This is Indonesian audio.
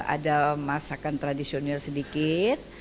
ada masakan tradisional sedikit